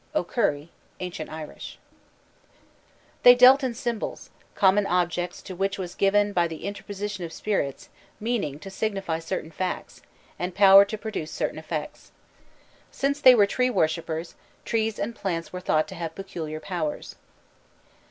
O'CURRY: Ancient Irish. They dealt in symbols, common objects to which was given by the interposition of spirits, meaning to signify certain facts, and power to produce certain effects. Since they were tree worshippers, trees and plants were thought to have peculiar powers.